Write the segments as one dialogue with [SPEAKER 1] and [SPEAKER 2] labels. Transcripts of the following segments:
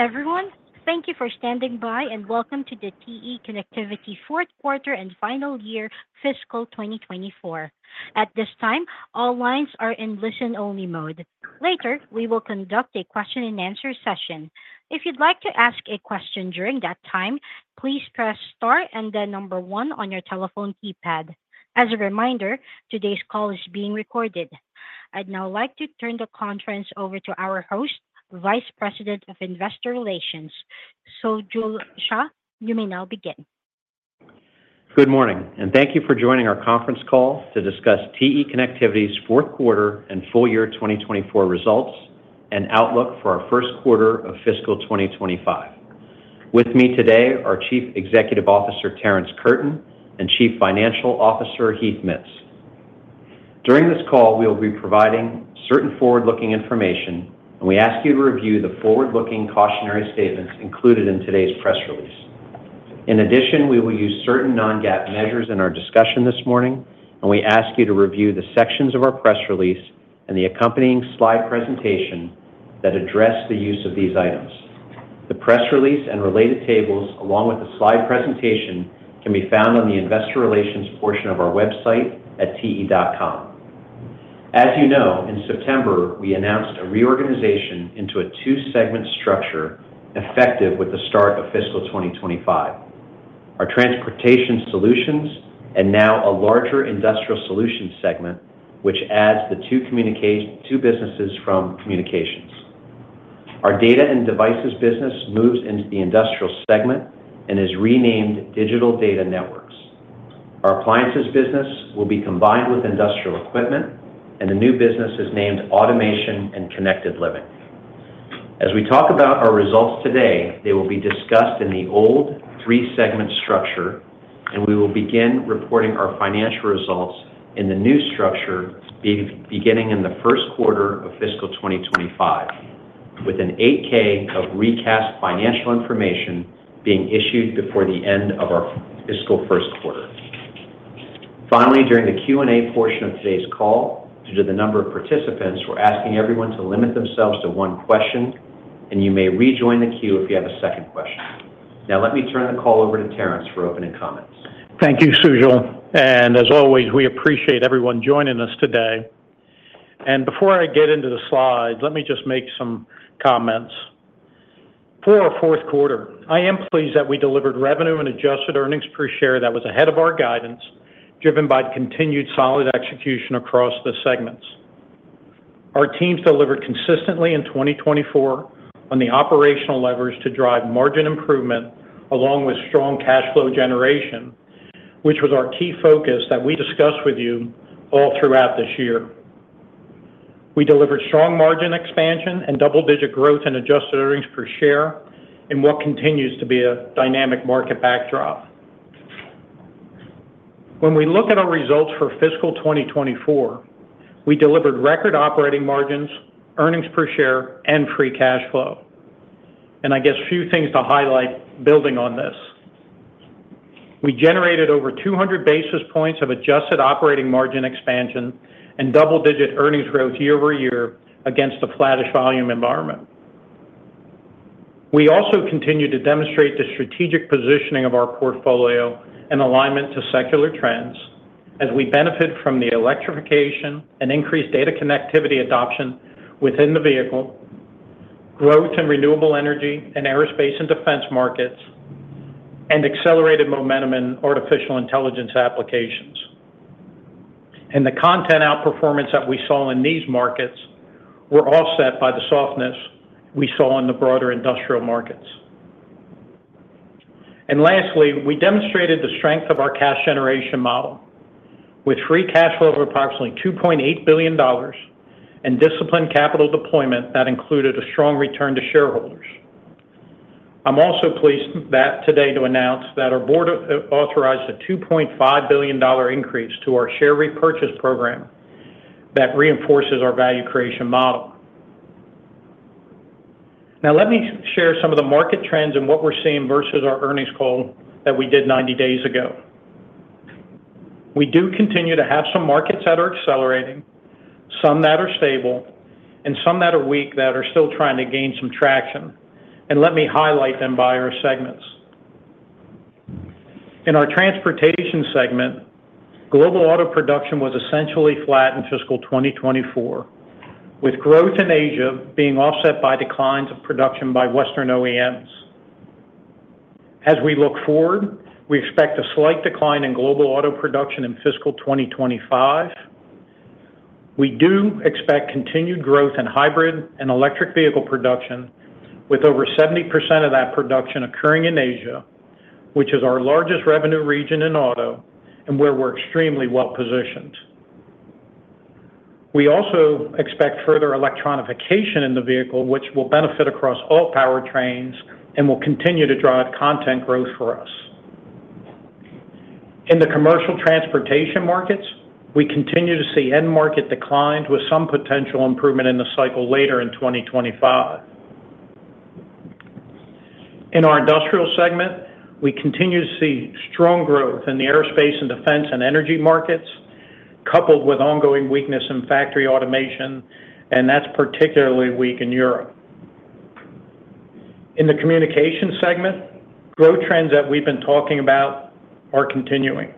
[SPEAKER 1] Everyone, thank you for standing by and welcome to the TE Connectivity fourth quarter and full year, fiscal 2024. At this time, all lines are in listen-only mode. Later, we will conduct a question-and-answer session. If you'd like to ask a question during that time, please press star and then number one on your telephone keypad. As a reminder, today's call is being recorded. I'd now like to turn the conference over to our host, Vice President of Investor Relations, Sujal Shah. You may now begin.
[SPEAKER 2] Good morning, and thank you for joining our conference call to discuss TE Connectivity's fourth quarter and full year 2024 results and outlook for our first quarter of fiscal 2025. With me today are Chief Executive Officer Terrence Curtin and Chief Financial Officer Heath Mitts. During this call, we will be providing certain forward-looking information, and we ask you to review the forward-looking cautionary statements included in today's press release. In addition, we will use certain non-GAAP measures in our discussion this morning, and we ask you to review the sections of our press release and the accompanying slide presentation that address the use of these items. The press release and related tables, along with the slide presentation, can be found on the investor relations portion of our website at te.com. As you know, in September, we announced a reorganization into a two-segment structure effective with the start of fiscal 2025. Our Transportation Solutions and now a larger Industrial Solutions segment, which adds the two businesses from Communications. Our Data and Devices business moves into the Industrial segment and is renamed Digital Data Networks. Our Appliances business will be combined with Industrial Equipment, and the new business is named Automation and Connected Living. As we talk about our results today, they will be discussed in the old three-segment structure, and we will begin reporting our financial results in the new structure beginning in the first quarter of fiscal 2025, with an 8-K of recast financial information being issued before the end of our fiscal first quarter. Finally, during the Q&A portion of today's call, due to the number of participants, we're asking everyone to limit themselves to one question, and you may rejoin the queue if you have a second question. Now, let me turn the call over to Terrence for opening comments.
[SPEAKER 3] Thank you, Sujal. And as always, we appreciate everyone joining us today. And before I get into the slides, let me just make some comments. For our fourth quarter, I am pleased that we delivered revenue and adjusted earnings per share that was ahead of our guidance, driven by continued solid execution across the segments. Our teams delivered consistently in 2024 on the operational levers to drive margin improvement, along with strong cash flow generation, which was our key focus that we discussed with you all throughout this year. We delivered strong margin expansion and double-digit growth in adjusted earnings per share in what continues to be a dynamic market backdrop. When we look at our results for fiscal 2024, we delivered record operating margins, earnings per share, and free cash flow. And I guess a few things to highlight building on this. We generated over 200 basis points of adjusted operating margin expansion and double-digit earnings growth year-over-year against a flattish volume environment. We also continue to demonstrate the strategic positioning of our portfolio and alignment to secular trends as we benefit from the electrification and increased data connectivity adoption within the vehicle, growth in renewable energy and aerospace and defense markets, and accelerated momentum in artificial intelligence applications. And the content outperformance that we saw in these markets were offset by the softness we saw in the broader industrial markets. And lastly, we demonstrated the strength of our cash generation model with free cash flow of approximately $2.8 billion and disciplined capital deployment that included a strong return to shareholders. I'm also pleased today to announce that our board authorized a $2.5 billion increase to our share repurchase program that reinforces our value creation model. Now, let me share some of the market trends and what we're seeing versus our earnings call that we did 90 days ago. We do continue to have some markets that are accelerating, some that are stable, and some that are weak that are still trying to gain some traction. And let me highlight them by our segments. In Transportation segment, global auto production was essentially flat in fiscal 2024, with growth in Asia being offset by declines of production by Western OEMs. As we look forward, we expect a slight decline in global auto production in fiscal 2025. We do expect continued growth in hybrid and electric vehicle production, with over 70% of that production occurring in Asia, which is our largest revenue region in auto and where we're extremely well positioned. We also expect further electronification in the vehicle, which will benefit across all powertrains and will continue to drive content growth for us. In the commercial transportation markets, we continue to see end market declines with some potential improvement in the cycle later in 2025. In our industrial segment, we continue to see strong growth in the aerospace and defense and energy markets, coupled with ongoing weakness in factory automation, and that's particularly weak in Europe. In the communication segment, growth trends that we've been talking about are continuing.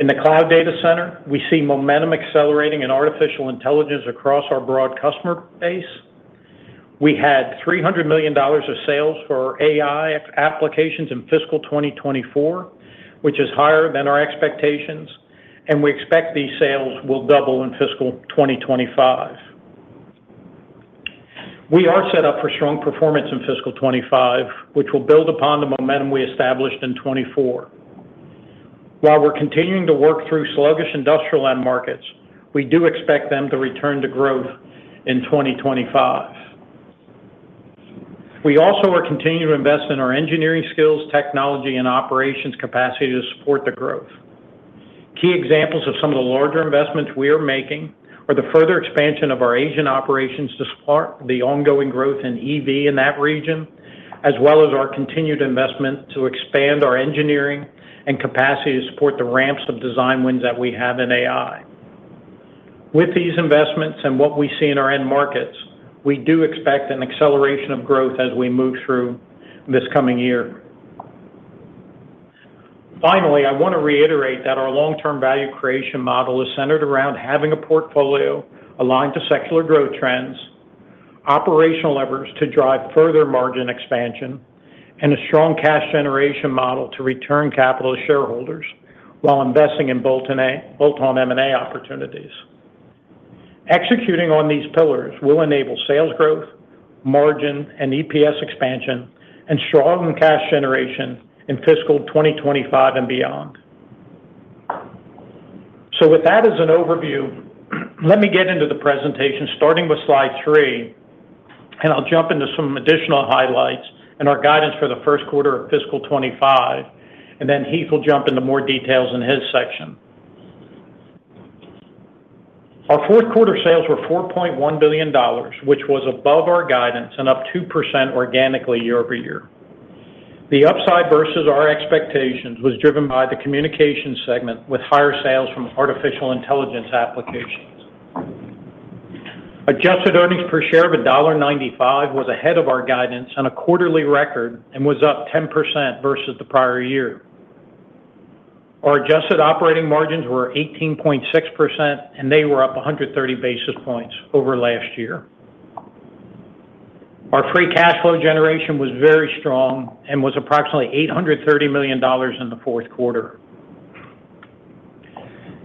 [SPEAKER 3] In the cloud data center, we see momentum accelerating in artificial intelligence across our broad customer base. We had $300 million of sales for our AI applications in fiscal 2024, which is higher than our expectations, and we expect these sales will double in fiscal 2025. We are set up for strong performance in fiscal 2025, which will build upon the momentum we established in 2024. While we're continuing to work through sluggish industrial end markets, we do expect them to return to growth in 2025. We also are continuing to invest in our engineering skills, technology, and operations capacity to support the growth. Key examples of some of the larger investments we are making are the further expansion of our Asian operations to support the ongoing growth in EV in that region, as well as our continued investment to expand our engineering and capacity to support the ramps of design wins that we have in AI. With these investments and what we see in our end markets, we do expect an acceleration of growth as we move through this coming year. Finally, I want to reiterate that our long-term value creation model is centered around having a portfolio aligned to secular growth trends, operational levers to drive further margin expansion, and a strong cash generation model to return capital to shareholders while investing in bolt-on M&A opportunities. Executing on these pillars will enable sales growth, margin, and EPS expansion, and strong cash generation in fiscal 2025 and beyond. So with that as an overview, let me get into the presentation, starting with slide three, and I'll jump into some additional highlights and our guidance for the first quarter of fiscal 2025, and then Heath will jump into more details in his section. Our fourth quarter sales were $4.1 billion, which was above our guidance and up 2% organically year-over-year. The upside versus our expectations was driven by the communication segment with higher sales from artificial intelligence applications. Adjusted earnings per share of $1.95 was ahead of our guidance and a quarterly record and was up 10% versus the prior year. Our adjusted operating margins were 18.6%, and they were up 130 basis points over last year. Our free cash flow generation was very strong and was approximately $830 million in the fourth quarter.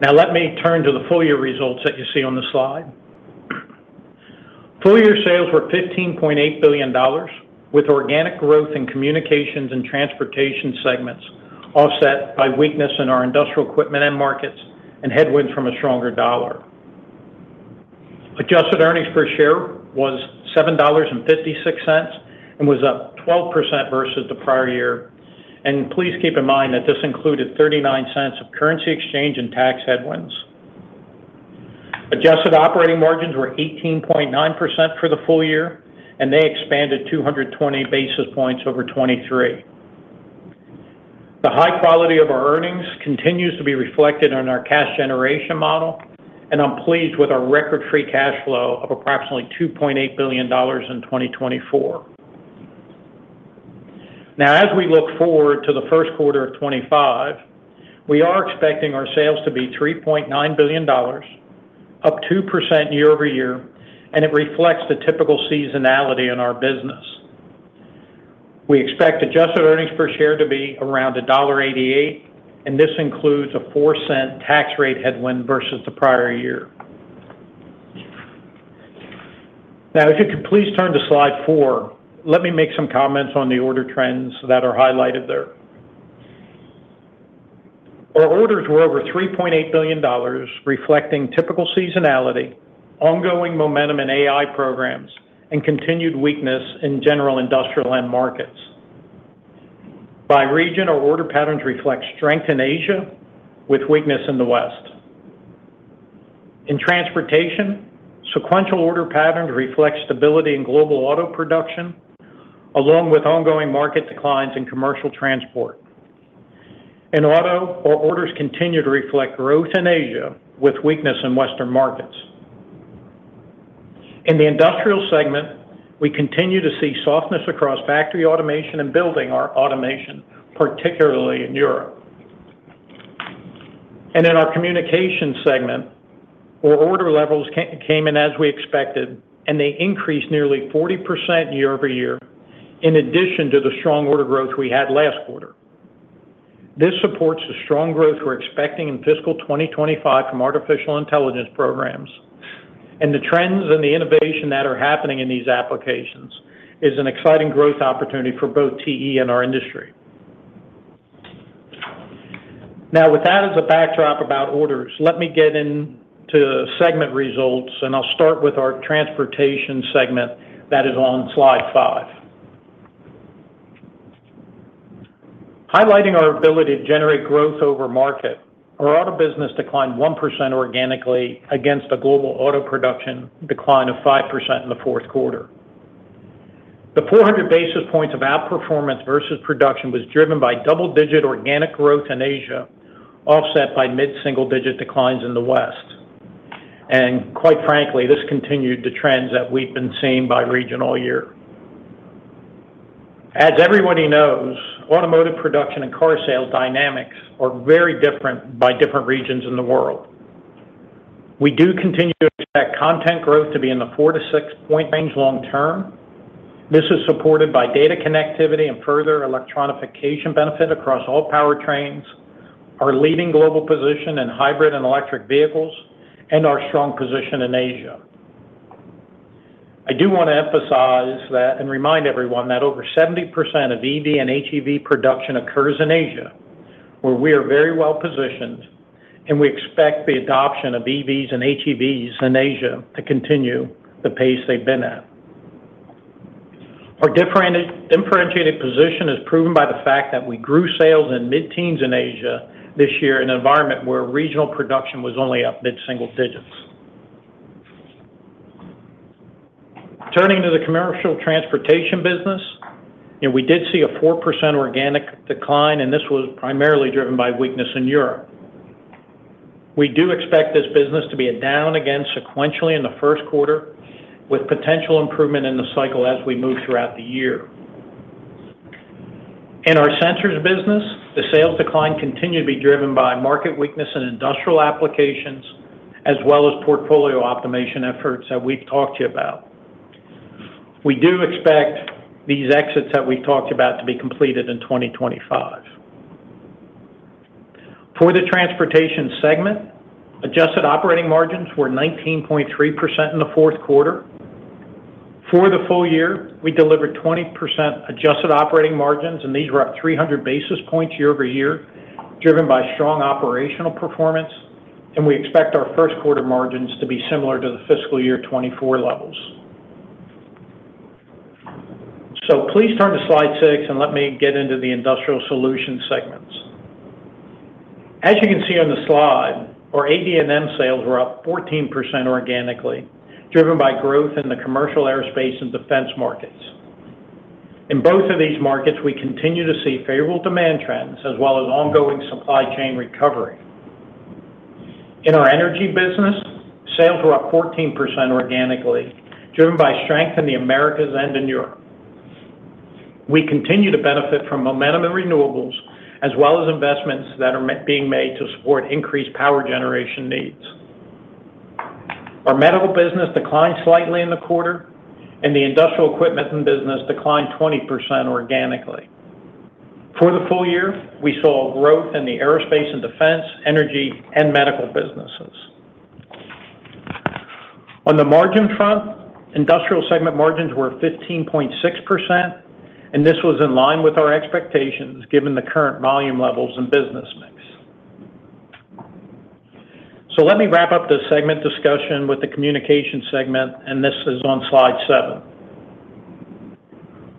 [SPEAKER 3] Now, let me turn to the full year results that you see on the slide. Full year sales were $15.8 billion, with organic growth in Communications Transportation segments offset by weakness in our industrial equipment end markets and headwinds from a stronger dollar. Adjusted earnings per share was $7.56 and was up 12% versus the prior year. And please keep in mind that this included $0.39 of currency exchange and tax headwinds. Adjusted operating margins were 18.9% for the full year, and they expanded 220 basis points over 2023. The high quality of our earnings continues to be reflected in our cash generation model, and I'm pleased with our record free cash flow of approximately $2.8 billion in 2024. Now, as we look forward to the first quarter of 2025, we are expecting our sales to be $3.9 billion, up 2% year-over-year, and it reflects the typical seasonality in our business. We expect adjusted earnings per share to be around $1.88, and this includes a $0.04 tax rate headwind versus the prior year. Now, if you could please turn to slide four, let me make some comments on the order trends that are highlighted there. Our orders were over $3.8 billion, reflecting typical seasonality, ongoing momentum in AI programs, and continued weakness in general industrial end markets. By region, our order patterns reflect strength in Asia with weakness in the West. In transportation, sequential order patterns reflect stability in global auto production, along with ongoing market declines in commercial transport. In auto, our orders continue to reflect growth in Asia with weakness in Western markets. In the industrial segment, we continue to see softness across factory automation and building automation, particularly in Europe. And in our communication segment, our order levels came in as we expected, and they increased nearly 40% year-over-year, in addition to the strong order growth we had last quarter. This supports the strong growth we're expecting in fiscal 2025 from artificial intelligence programs, and the trends and the innovation that are happening in these applications is an exciting growth opportunity for both TE and our industry. Now, with that as a backdrop about orders, let me get into segment results, and I'll start with Transportation segment that is on slide five. Highlighting our ability to generate growth over market, our auto business declined 1% organically against a global auto production decline of 5% in the fourth quarter. The 400 basis points of outperformance versus production was driven by double-digit organic growth in Asia, offset by mid-single-digit declines in the West. Quite frankly, this continued the trends that we've been seeing by region all year. As everybody knows, automotive production and car sales dynamics are very different by different regions in the world. We do continue to expect content growth to be in the 4-6-point range long-term. This is supported by data connectivity and further electronification benefit across all powertrains, our leading global position in hybrid and electric vehicles, and our strong position in Asia. I do want to emphasize that and remind everyone that over 70% of EV and HEV production occurs in Asia, where we are very well positioned, and we expect the adoption of EVs and HEVs in Asia to continue the pace they've been at. Our differentiated position is proven by the fact that we grew sales in mid-teens in Asia this year in an environment where regional production was only up mid-single digits. Turning to the Commercial Transportation business, we did see a 4% organic decline, and this was primarily driven by weakness in Europe. We do expect this business to be down again sequentially in the first quarter, with potential improvement in the cycle as we move throughout the year. In our sensors business, the sales decline continued to be driven by market weakness in industrial applications, as well as portfolio optimization efforts that we've talked to you about. We do expect these exits that we've talked about to be completed in 2025. For Transportation segment, adjusted operating margins were 19.3% in the fourth quarter. For the full year, we delivered 20% adjusted operating margins, and these were up 300 basis points year-over-year, driven by strong operational performance, and we expect our first quarter margins to be similar to the fiscal year 2024 levels. So please turn to slide six and let me get into the Industrial Solutions segment. As you can see on the slide, our AD&M sales were up 14% organically, driven by growth in the commercial aerospace and defense markets. In both of these markets, we continue to see favorable demand trends as well as ongoing supply chain recovery. In our energy business, sales were up 14% organically, driven by strength in the Americas and in Europe. We continue to benefit from momentum in renewables, as well as investments that are being made to support increased power generation needs. Our Medical business declined slightly in the quarter, and the Industrial Equipment business declined 20% organically. For the full year, we saw growth in the Aerospace and Defense, Energy, and Medical businesses. On the margin front, industrial segment margins were 15.6%, and this was in line with our expectations given the current volume levels and business mix. So let me wrap up the segment discussion with the Communications segment, and this is on slide seven.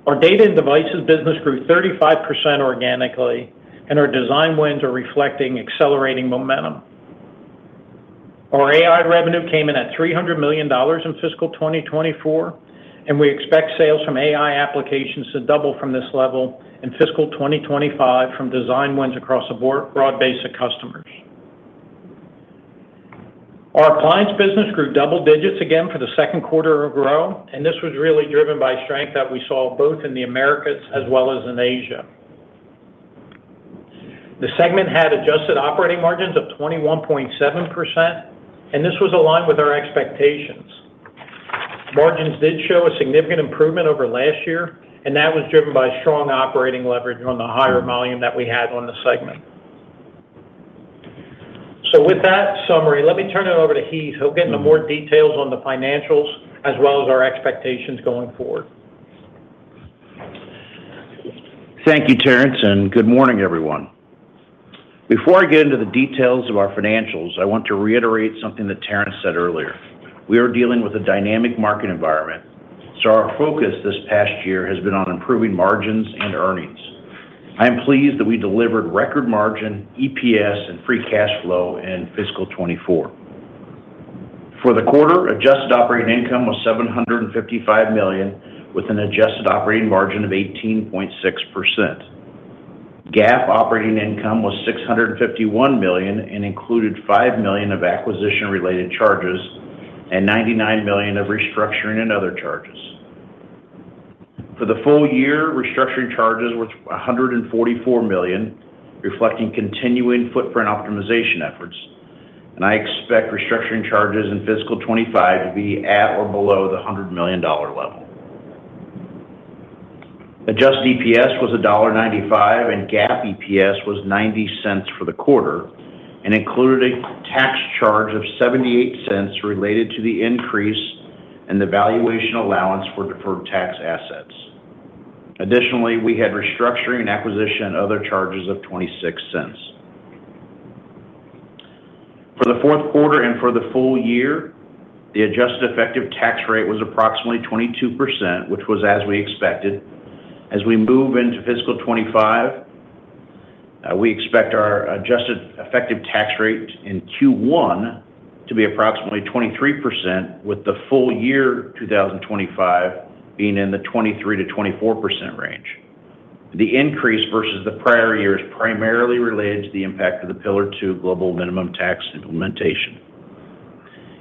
[SPEAKER 3] Our Data and Devices business grew 35% organically, and our design wins are reflecting accelerating momentum. Our AI revenue came in at $300 million in fiscal 2024, and we expect sales from AI applications to double from this level in fiscal 2025 from design wins across a broad base of customers. Our appliance business grew double digits again for the second quarter of growth, and this was really driven by strength that we saw both in the Americas as well as in Asia. The segment had adjusted operating margins of 21.7%, and this was aligned with our expectations. Margins did show a significant improvement over last year, and that was driven by strong operating leverage on the higher volume that we had on the segment. With that summary, let me turn it over to Heath. He'll get into more details on the financials as well as our expectations going forward.
[SPEAKER 4] Thank you, Terrence, and good morning, everyone. Before I get into the details of our financials, I want to reiterate something that Terrence said earlier. We are dealing with a dynamic market environment, so our focus this past year has been on improving margins and earnings. I am pleased that we delivered record margin, EPS, and free cash flow in fiscal 2024. For the quarter, adjusted operating income was $755 million, with an adjusted operating margin of 18.6%. GAAP operating income was $651 million and included $5 million of acquisition-related charges and $99 million of restructuring and other charges. For the full year, restructuring charges were $144 million, reflecting continuing footprint optimization efforts, and I expect restructuring charges in fiscal 2025 to be at or below the $100 million level. Adjusted EPS was $1.95, and GAAP EPS was $0.90 for the quarter and included a tax charge of $0.78 related to the increase in the valuation allowance for deferred tax assets. Additionally, we had restructuring and acquisition and other charges of $0.26. For the fourth quarter and for the full year, the adjusted effective tax rate was approximately 22%, which was as we expected. As we move into fiscal 2025, we expect our adjusted effective tax rate in Q1 to be approximately 23%, with the full year 2025 being in the 23%-24% range. The increase versus the prior year is primarily related to the impact of the Pillar Two global minimum tax implementation.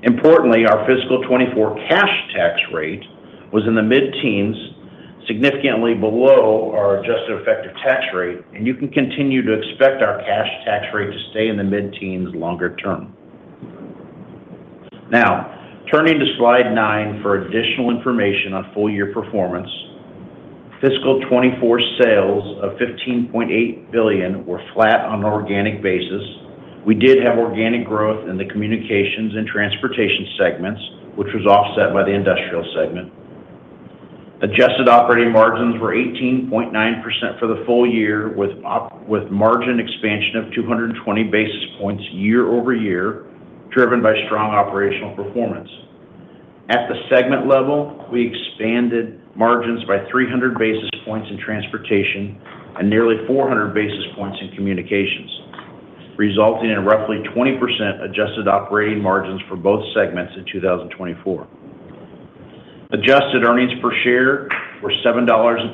[SPEAKER 4] Importantly, our fiscal 2024 cash tax rate was in the mid-teens, significantly below our adjusted effective tax rate, and you can continue to expect our cash tax rate to stay in the mid-teens longer term. Now, turning to slide nine for additional information on full year performance, fiscal 2024 sales of $15.8 billion were flat on an organic basis. We did have organic growth in the communications Transportation segments, which was offset by the industrial segment. Adjusted operating margins were 18.9% for the full year, with margin expansion of 220 basis points year-over-year, driven by strong operational performance. At the segment level, we expanded margins by 300 basis points in transportation and nearly 400 basis points in communications, resulting in roughly 20% adjusted operating margins for both segments in 2024. Adjusted earnings per share were $7.56,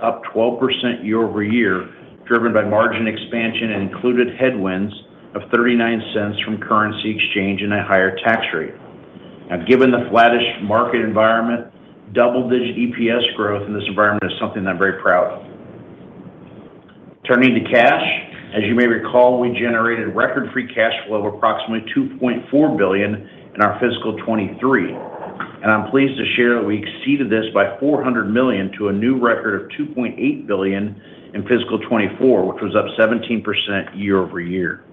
[SPEAKER 4] up 12% year-over-year, driven by margin expansion and included headwinds of $0.39 from currency exchange and a higher tax rate. Now, given the flattish market environment, double-digit EPS growth in this environment is something that I'm very proud of. Turning to cash, as you may recall, we generated record free cash flow of approximately $2.4 billion in our fiscal 2023, and I'm pleased to share that we exceeded this by $400 million to a new record of $2.8 billion in fiscal 2024, which was up 17% year-over-year.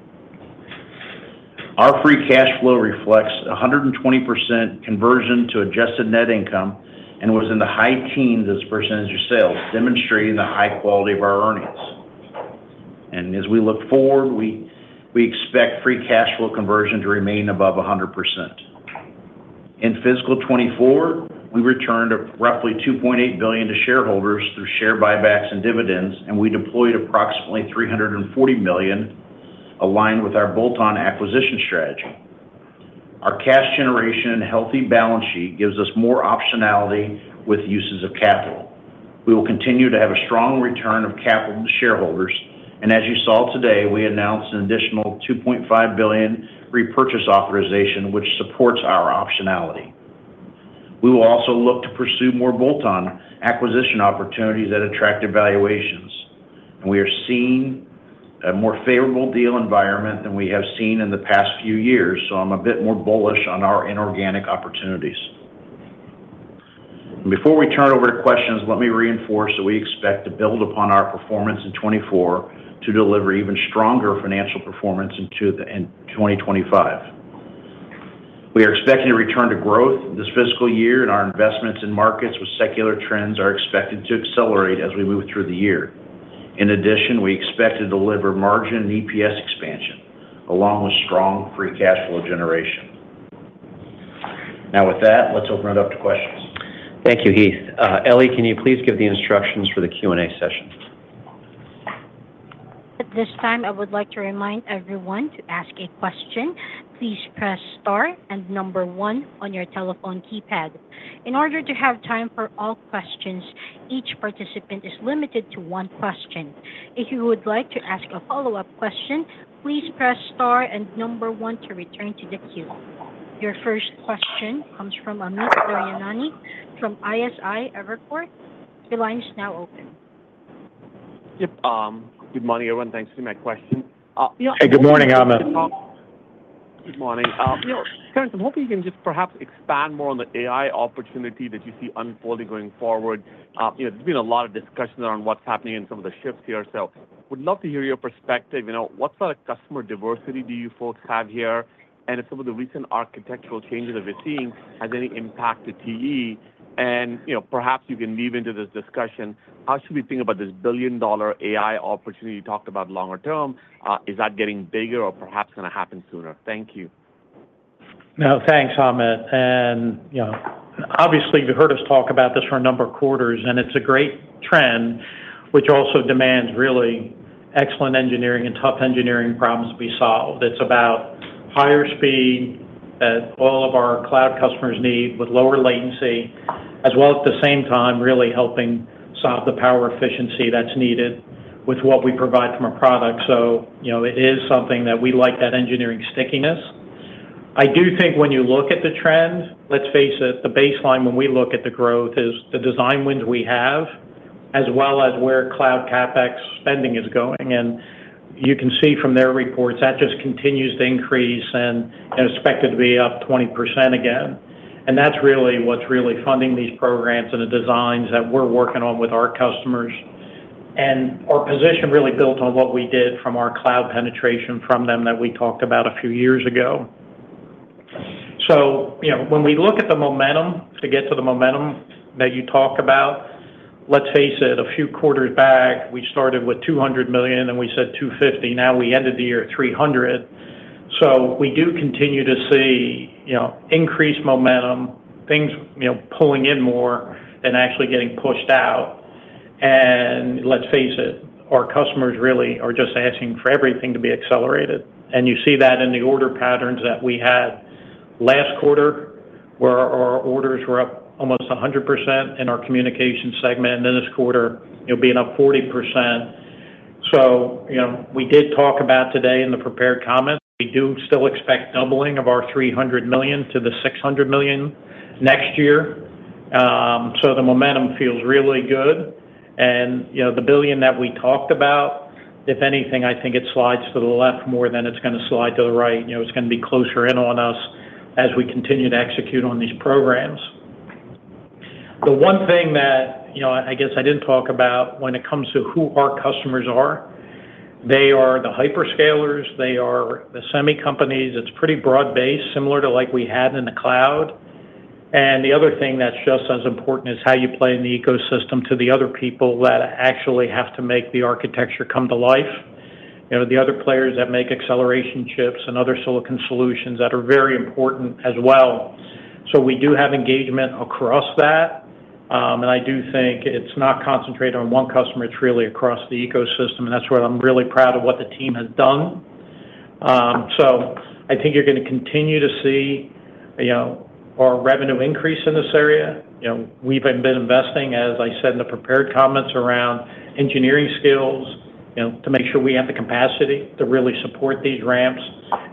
[SPEAKER 4] Our free cash flow reflects 120% conversion to adjusted net income and was in the high teens as percentage of sales, demonstrating the high quality of our earnings, and as we look forward, we expect free cash flow conversion to remain above 100%. In fiscal 2024, we returned roughly $2.8 billion to shareholders through share buybacks and dividends, and we deployed approximately $340 million, aligned with our bolt-on acquisition strategy. Our cash generation and healthy balance sheet gives us more optionality with uses of capital. We will continue to have a strong return of capital to shareholders, and as you saw today, we announced an additional $2.5 billion repurchase authorization, which supports our optionality. We will also look to pursue more bolt-on acquisition opportunities that attract attractive valuations, and we are seeing a more favorable deal environment than we have seen in the past few years, so I'm a bit more bullish on our inorganic opportunities. Before we turn it over to questions, let me reinforce that we expect to build upon our performance in 2024 to deliver even stronger financial performance in 2025. We are expecting a return to growth this fiscal year, and our investments in markets with secular trends are expected to accelerate as we move through the year. In addition, we expect to deliver margin and EPS expansion, along with strong free cash flow generation. Now, with that, let's open it up to questions.
[SPEAKER 2] Thank you, Heath. Ellie, can you please give the instructions for the Q&A session?
[SPEAKER 1] At this time, I would like to remind everyone to ask a question. Please press star and number one on your telephone keypad. In order to have time for all questions, each participant is limited to one question. If you would like to ask a follow-up question, please press star and number one to return to the queue. Your first question comes from Amit Daryanani from Evercore ISI. Your line is now open.
[SPEAKER 5] Yep. Good morning, everyone. Thanks for my question.
[SPEAKER 3] Hey, good morning, Amit.
[SPEAKER 5] Good morning. Terrence, I'm hoping you can just perhaps expand more on the AI opportunity that you see unfolding going forward? There's been a lot of discussion around what's happening and some of the shifts here, so I would love to hear your perspective. What sort of customer diversity do you folks have here, and if some of the recent architectural changes that we're seeing have any impact to TE? And perhaps you can lead into this discussion, how should we think about this billion-dollar AI opportunity you talked about longer term? Is that getting bigger or perhaps going to happen sooner? Thank you.
[SPEAKER 3] No, thanks, Amit. And obviously, you've heard us talk about this for a number of quarters, and it's a great trend, which also demands really excellent engineering and tough engineering problems to be solved. It's about higher speed that all of our cloud customers need with lower latency, as well as at the same time really helping solve the power efficiency that's needed with what we provide from our product. So it is something that we like that engineering stickiness. I do think when you look at the trend, let's face it, the baseline when we look at the growth is the design wins we have, as well as where cloud CapEx spending is going. And you can see from their reports that just continues to increase and is expected to be up 20% again. And that's really what's funding these programs and the designs that we're working on with our customers. And our position really built on what we did from our cloud penetration from them that we talked about a few years ago. When we look at the momentum to get to the momentum that you talk about, let's face it, a few quarters back, we started with $200 million, and we said $250 million. Now we ended the year at $300 million. We do continue to see increased momentum, things pulling in more and actually getting pushed out. Let's face it, our customers really are just asking for everything to be accelerated. You see that in the order patterns that we had last quarter, where our orders were up almost 100% in our Communications segment, and this quarter being up 40%. We did talk about today in the prepared comments. We do still expect doubling of our $300 million to the $600 million next year. The momentum feels really good. And the $1 billion that we talked about, if anything, I think it slides to the left more than it's going to slide to the right. It's going to be closer in on us as we continue to execute on these programs. The one thing that I guess I didn't talk about when it comes to who our customers are, they are the hyperscalers, they are the semi companies. It's pretty broad-based, similar to like we had in the cloud. And the other thing that's just as important is how you play in the ecosystem to the other people that actually have to make the architecture come to life. The other players that make acceleration chips and other silicon solutions that are very important as well. So we do have engagement across that, and I do think it's not concentrated on one customer. It's really across the ecosystem, and that's why I'm really proud of what the team has done. So I think you're going to continue to see our revenue increase in this area. We've been investing, as I said in the prepared comments, around engineering skills to make sure we have the capacity to really support these ramps.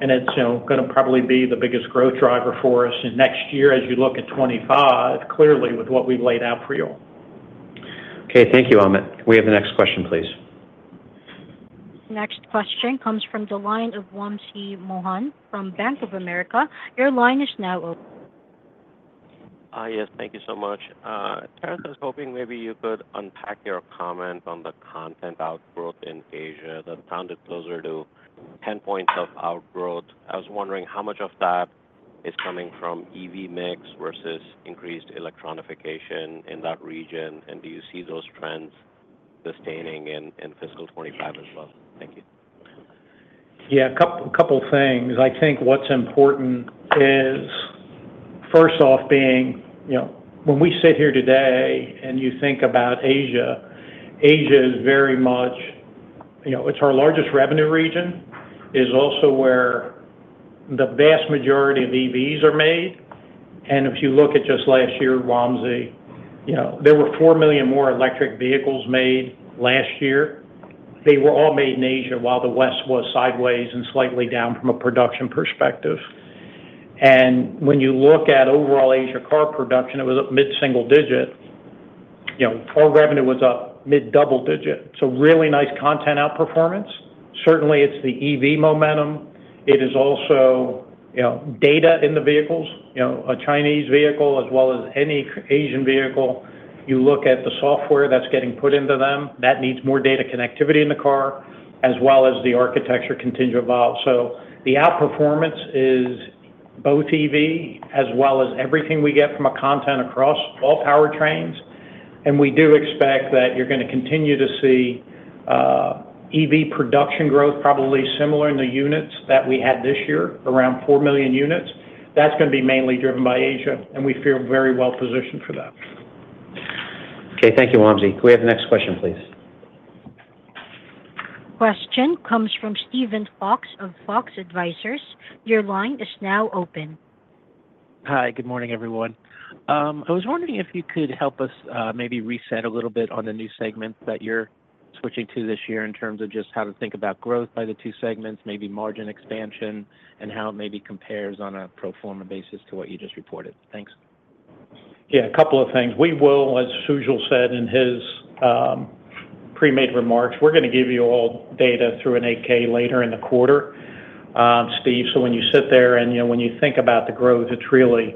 [SPEAKER 3] And it's going to probably be the biggest growth driver for us in next year as you look at 2025, clearly with what we've laid out for you.
[SPEAKER 2] Okay, thank you, Amit. We have the next question, please.
[SPEAKER 1] Next question comes from the line of Wamsi Mohan from Bank of America. Your line is now open.
[SPEAKER 6] Yes, thank you so much. Terrence, I was hoping maybe you could unpack your comment on the content growth in Asia that sounded closer to 10 points of growth. I was wondering how much of that is coming from EV mix versus increased electronification in that region, and do you see those trends sustaining in fiscal 2025 as well? Thank you.
[SPEAKER 3] Yeah, a couple of things. I think what's important is, first off, when we sit here today and you think about Asia, Asia is very much it's our largest revenue region. It's also where the vast majority of EVs are made. And if you look at just last year, Wamsi, there were four million more electric vehicles made last year. They were all made in Asia, while the West was sideways and slightly down from a production perspective. And when you look at overall Asia car production, it was up mid-single digit. Our revenue was up mid-double digit. So really nice content outperformance. Certainly, it's the EV momentum. It is also adoption in the vehicles. A Chinese vehicle, as well as any Asian vehicle, you look at the software that's getting put into them, that needs more data connectivity in the car, as well as the architecture content to evolve. So the outperformance is both EV, as well as everything we get from content across all powertrains. And we do expect that you're going to continue to see EV production growth, probably similar in the units that we had this year, around 4 million units. That's going to be mainly driven by Asia, and we feel very well positioned for that.
[SPEAKER 2] Okay, thank you, Wamsi. Can we have the next question, please?
[SPEAKER 1] Question comes from Steven Fox of Fox Advisors. Your line is now open.
[SPEAKER 7] Hi, good morning, everyone. I was wondering if you could help us maybe reset a little bit on the new segment that you're switching to this year in terms of just how to think about growth by the two segments, maybe margin expansion, and how it maybe compares on a pro forma basis to what you just reported. Thanks.
[SPEAKER 3] Yeah, a couple of things. We will, as Sujal said in his prepared remarks, we're going to give you all data through an 8-K later in the quarter, Steve. So when you sit there and when you think about the growth, it's really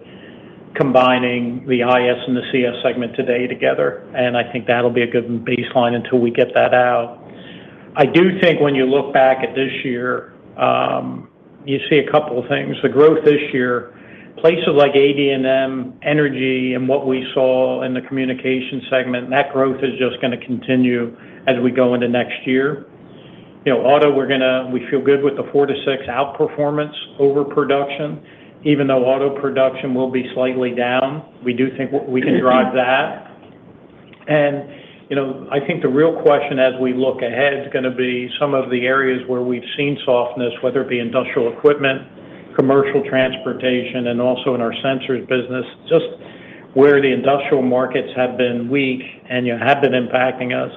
[SPEAKER 3] combining the IS and the CS segment today together. And I think that'll be a good baseline until we get that out. I do think when you look back at this year, you see a couple of things. The growth this year, places like AD&M, Energy, and what we saw in the Communications segment, that growth is just going to continue as we go into next year. Auto, we feel good with the four to six outperformance over production, even though auto production will be slightly down. We do think we can drive that. And I think the real question as we look ahead is going to be some of the areas where we've seen softness, whether it be Industrial Equipment, Commercial Transportation, and also in our Sensors business, just where the industrial markets have been weak and have been impacting us.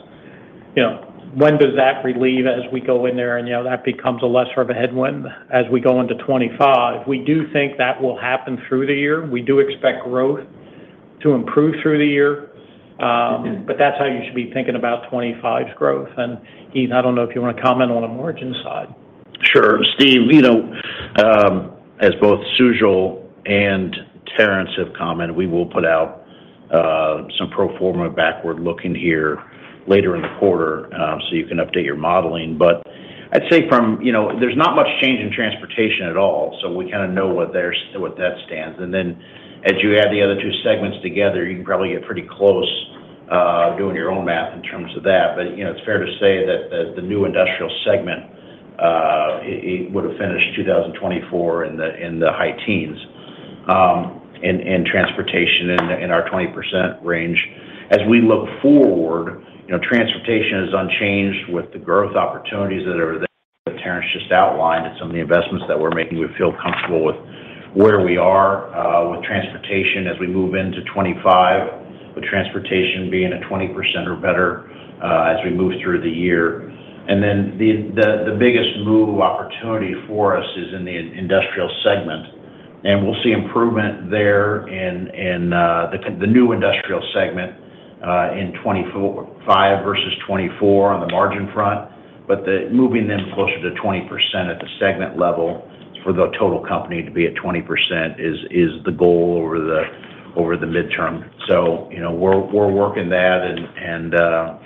[SPEAKER 3] When does that relieve as we go in there? And that becomes less of a headwind as we go into 2025. We do think that will happen through the year. We do expect growth to improve through the year, but that's how you should be thinking about 2025's growth. And Heath, I don't know if you want to comment on a margin side.
[SPEAKER 4] Sure. Steve, as both Sujal and Terrence have commented, we will put out some pro forma backward-looking here later in the quarter so you can update your modeling. But I'd say from there, there's not much change in transportation at all, so we kind of know where that stands. And then as you add the other two segments together, you can probably get pretty close doing your own math in terms of that. But it's fair to say that the new industrial segment would have finished 2024 in the high teens in transportation in our 20% range. As we look forward, transportation is unchanged with the growth opportunities that are there, Terrence just outlined. It's some of the investments that we're making. We feel comfortable with where we are with transportation as we move into 2025, with transportation being a 20% or better as we move through the year. And then the biggest move opportunity for us is in the industrial segment. And we'll see improvement there in the new industrial segment in 2025 versus 2024 on the margin front. But moving them closer to 20% at the segment level for the total company to be at 20% is the goal over the midterm. So we're working that and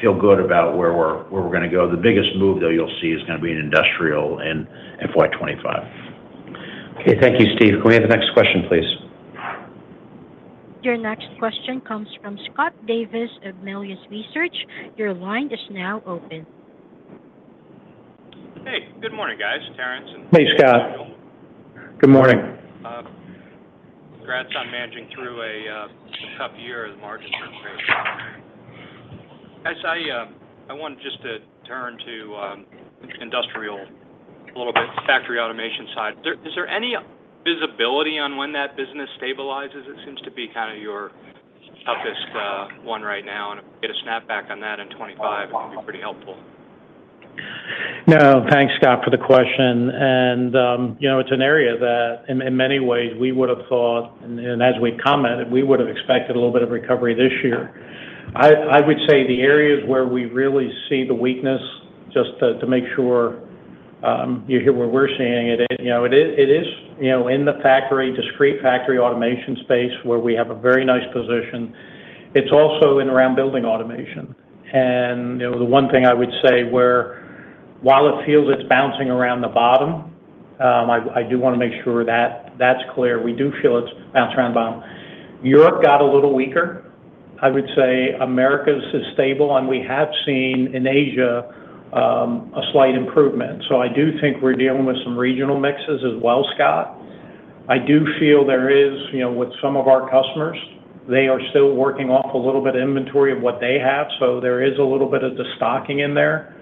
[SPEAKER 4] feel good about where we're going to go. The biggest move that you'll see is going to be in industrial in FY 2025.
[SPEAKER 2] Okay, thank you, Steve. Can we have the next question, please?
[SPEAKER 1] Your next question comes from Scott Davis of Melius Research. Your line is now open.
[SPEAKER 8] Hey, good morning, guys. Terrence and Heath.
[SPEAKER 3] Hey, Scott. Good morning.
[SPEAKER 8] Congrats on managing through a tough year as margins are great. I wanted just to turn to industrial a little bit, factory automation side. Is there any visibility on when that business stabilizes? It seems to be kind of your toughest one right now. And if we get a snapback on that in 2025, it would be pretty helpful.
[SPEAKER 3] No, thanks, Scott, for the question. And it's an area that in many ways we would have thought, and as we commented, we would have expected a little bit of recovery this year. I would say the areas where we really see the weakness, just to make sure you hear where we're seeing it, it is in the discrete factory automation space where we have a very nice position. It's also in and around building automation. And the one thing I would say, while it feels it's bouncing around the bottom, I do want to make sure that that's clear. We do feel it's bouncing around the bottom. Europe got a little weaker, I would say. Americas is stable, and we have seen in Asia a slight improvement. So I do think we're dealing with some regional mixes as well, Scott. I do feel there is with some of our customers, they are still working off a little bit of inventory of what they have. So there is a little bit of the stocking in there.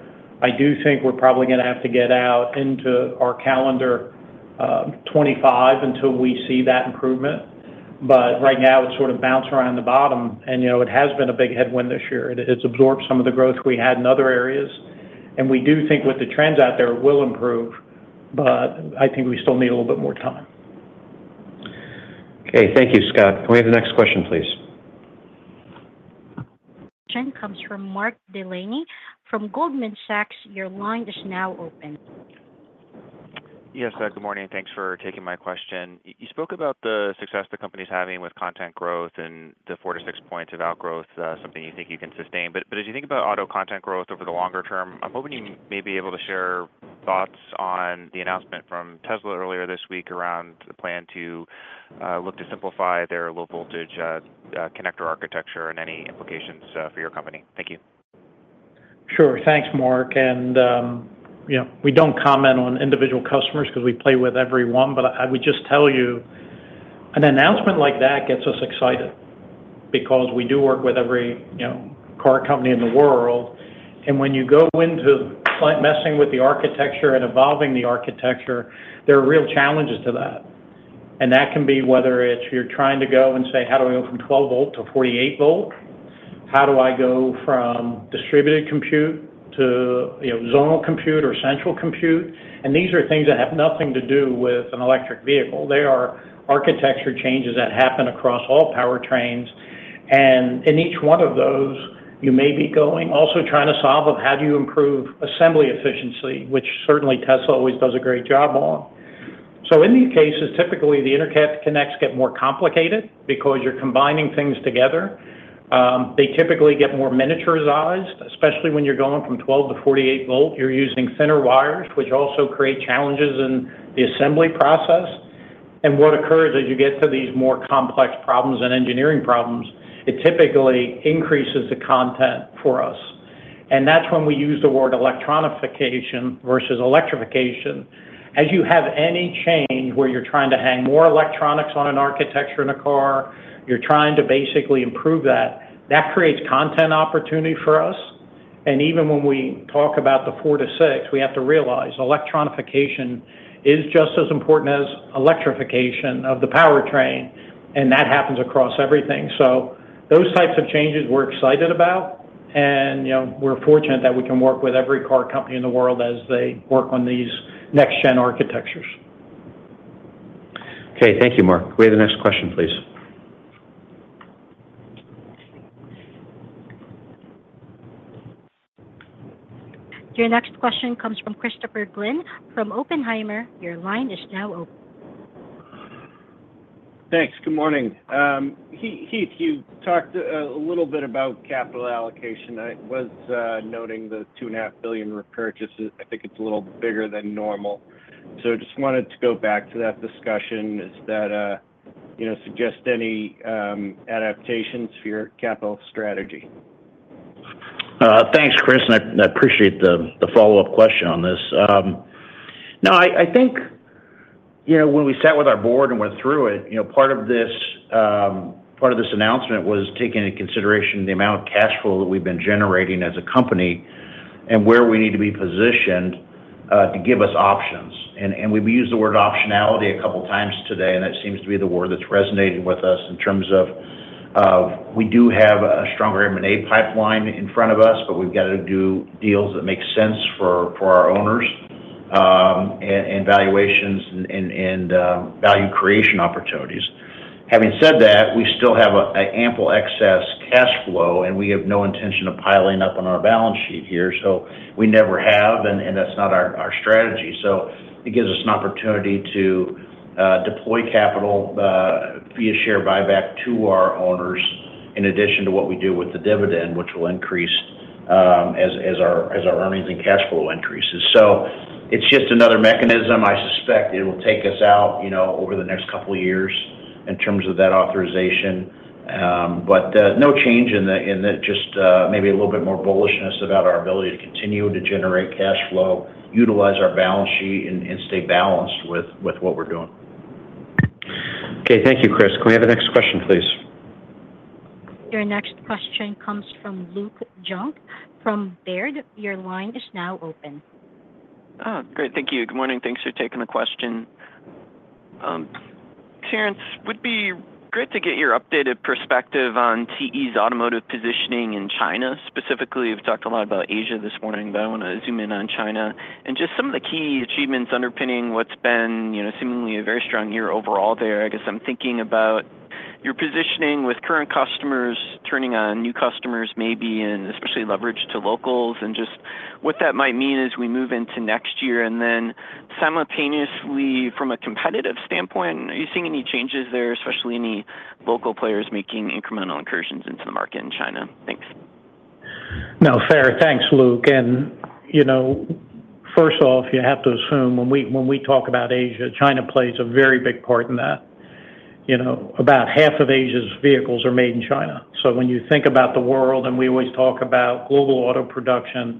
[SPEAKER 3] I do think we're probably going to have to get out into our calendar 2025 until we see that improvement. But right now, it's sort of bouncing around the bottom, and it has been a big headwind this year. It's absorbed some of the growth we had in other areas. And we do think with the trends out there, it will improve, but I think we still need a little bit more time.
[SPEAKER 2] Okay, thank you, Scott. Can we have the next question, please?
[SPEAKER 1] Question comes from Mark Delaney from Goldman Sachs. Your line is now open.
[SPEAKER 9] Yes, good morning. Thanks for taking my question. You spoke about the success the company is having with content growth and the four to six points of outgrowth, something you think you can sustain. But as you think about auto content growth over the longer term, I'm hoping you may be able to share thoughts on the announcement from Tesla earlier this week around the plan to look to simplify their low-voltage connector architecture and any implications for your company. Thank you.
[SPEAKER 3] Sure. Thanks, Mark. We don't comment on individual customers because we play with everyone, but I would just tell you an announcement like that gets us excited because we do work with every car company in the world. When you go into messing with the architecture and evolving the architecture, there are real challenges to that. That can be whether it's you're trying to go and say, "How do I go from 12-volt to 48-volt? How do I go from distributed compute to zonal compute or central compute?" These are things that have nothing to do with an electric vehicle. They are architecture changes that happen across all powertrains. In each one of those, you may be going also trying to solve of how do you improve assembly efficiency, which certainly Tesla always does a great job on. So in these cases, typically the interconnects get more complicated because you're combining things together. They typically get more miniaturized, especially when you're going from 12-volt to 48-volt. You're using thinner wires, which also create challenges in the assembly process. And what occurs as you get to these more complex problems and engineering problems, it typically increases the content for us. And that's when we use the word electronification versus electrification. As you have any change where you're trying to hang more electronics on an architecture in a car, you're trying to basically improve that. That creates content opportunity for us. And even when we talk about the four to six, we have to realize electronification is just as important as electrification of the powertrain, and that happens across everything. So those types of changes we're excited about, and we're fortunate that we can work with every car company in the world as they work on these next-gen architectures.
[SPEAKER 2] Okay, thank you, Mark. Can we have the next question, please?
[SPEAKER 1] Your next question comes from Christopher Glynn from Oppenheimer. Your line is now open.
[SPEAKER 10] Thanks. Good morning. Heath, you talked a little bit about capital allocation. I was noting the $2.5 billion repurchases. I think it's a little bigger than normal. So I just wanted to go back to that discussion. Does that suggest any adaptations for your capital strategy?
[SPEAKER 4] Thanks, Chris. And I appreciate the follow-up question on this. No, I think when we sat with our board and went through it, part of this announcement was taking into consideration the amount of cash flow that we've been generating as a company and where we need to be positioned to give us options, and we've used the word optionality a couple of times today, and that seems to be the word that's resonated with us in terms of we do have a stronger M&A pipeline in front of us, but we've got to do deals that make sense for our owners and valuations and value creation opportunities. Having said that, we still have an ample excess cash flow, and we have no intention of piling up on our balance sheet here, so we never have, and that's not our strategy. So it gives us an opportunity to deploy capital via share buyback to our owners in addition to what we do with the dividend, which will increase as our earnings and cash flow increases. So it's just another mechanism. I suspect it will take us out over the next couple of years in terms of that authorization. But no change in it, just maybe a little bit more bullishness about our ability to continue to generate cash flow, utilize our balance sheet, and stay balanced with what we're doing.
[SPEAKER 2] Okay, thank you, Chris. Can we have the next question, please?
[SPEAKER 1] Your next question comes from Luke Junk from Baird. Your line is now open.
[SPEAKER 11] Great. Thank you. Good morning. Thanks for taking the question. Terrence, it would be great to get your updated perspective on TE's automotive positioning in China. Specifiscally, you've talked a lot about Asia this morning, but I want to zoom in on China and just some of the key achievements underpinning what's been seemingly a very strong year overall there. I guess I'm thinking about your positioning with current customers, turning on new customers maybe, and especially leverage to locals. And just what that might mean as we move into next year. And then simultaneously, from a competitive standpoint, are you seeing any changes there, especially any local players making incremental incursions into the market in China? Thanks.
[SPEAKER 3] No, fair. Thanks, Luke. And first off, you have to assume when we talk about Asia, China plays a very big part in that. About half of Asia's vehicles are made in China. When you think about the world, and we always talk about global auto production,